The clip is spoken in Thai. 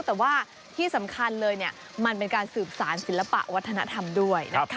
แต่ว่าที่สำคัญเลยมันเป็นการสืบสารศิลปะวัฒนธรรมด้วยนะคะ